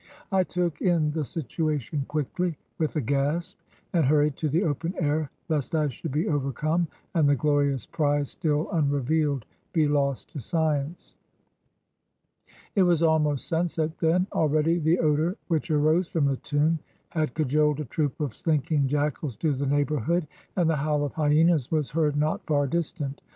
"I took in the situation quickly, wdth a gasp, and hurried to the open air lest I should be overcome and the glorious prize still unrevealed be lost to science. 170 FINDING PHARAOH "It was almost sunset then. Already the odor which arose from the tomb had cajoled a troop of slinking jackals to the neighborhood, and the howl of hyenas was heard not far distant.